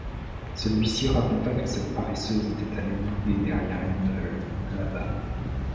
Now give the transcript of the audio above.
Celui-ci raconta que cette paresseuse était allée bouder derrière une meule, là-bas.